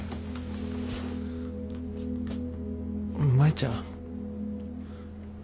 舞ちゃん。